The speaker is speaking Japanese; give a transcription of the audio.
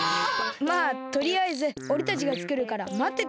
まあとりあえずおれたちがつくるからまってて。